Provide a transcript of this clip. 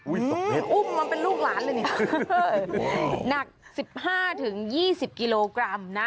ตรงนี้อุ้มมาเป็นลูกหลานเลยเนี่ยหนัก๑๕๒๐กิโลกรัมนะ